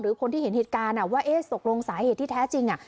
คนที่เห็นเหตุการณ์ว่าเอ๊ะตกลงสาเหตุที่แท้จริง